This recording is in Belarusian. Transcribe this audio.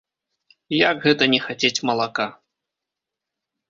Як гэта не хацець малака!